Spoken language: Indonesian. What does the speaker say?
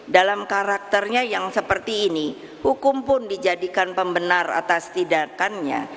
dalam karakternya yang seperti ini hukum pun dijadikan pembenar atas tindakannya